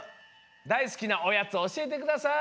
だいすきなおやつおしえてください。